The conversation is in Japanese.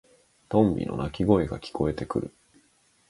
トンビの鳴き声が聞こえてくる。